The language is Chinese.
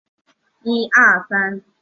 莱兹河畔莱扎人口变化图示